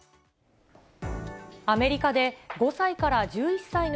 アメリカで５歳から１１歳の